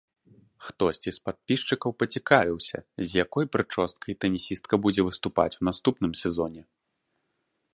Хтосьці з падпісчыкаў пацікавіўся, з якой прычоскай тэнісістка будзе выступаць у наступным сезоне.